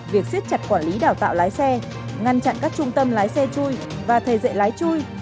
việc siết chặt quản lý đào tạo lái xe ngăn chặn các trung tâm lái xe chui và thầy dạy lái chui